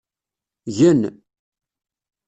Gen.